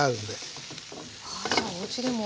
じゃあおうちでも。